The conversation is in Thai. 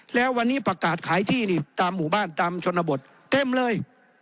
แล้ววันนี้ประกาศขายที่นี่ตามหมู่บ้านตามชนบทเต็มเลย